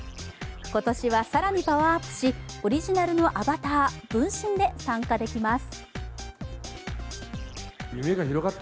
今年は更にパワーアップしオリジナルのアバター、分身で参加できます。